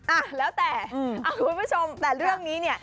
อ่ะแล้วแต่คุณผู้ชมแต่เรื่องนี้เนี่ย